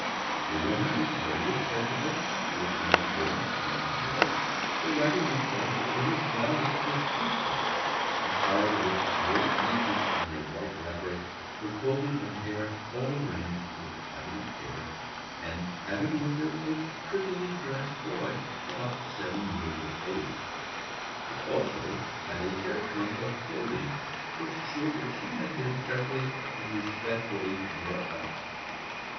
The woman was very respectable both in appearance and dress. The writer recalls her image now with distinctness, attired with great neatness in a white wrapper, her clothing and hair all arranged with evident care, and having with her a prettily dressed boy about seven years of age. She had also a hair trunk of clothing, which showed that she had been carefully and respectably brought up.